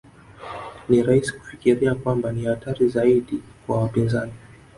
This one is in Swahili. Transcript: Ni rahisi kufikiria kwamba ni hatari zaidi kwa wapinzani